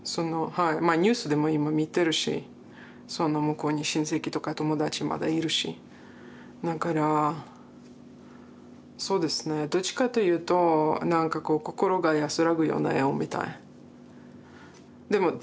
ニュースでも今見てるしその向こうに親戚とか友達まだいるしだからそうですねどっちかというとなんかこう心が安らぐような絵を見たい。